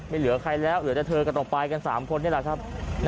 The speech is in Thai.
เหลือใครแล้วเหลือแต่เธอก็ต้องไปกัน๓คนนี่แหละครับ